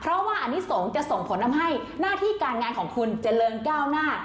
เพราะว่าอันนี้สงฆ์จะส่งผลทำให้หน้าที่การงานของคุณเจริญก้าวหน้า